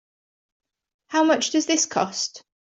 How much does this cost?